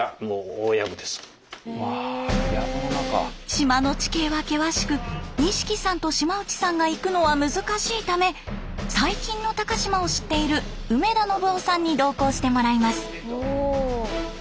島の地形は険しく西来さんと島内さんが行くのは難しいため最近の高島を知っている梅田信男さんに同行してもらいます。